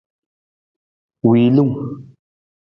Wiilung.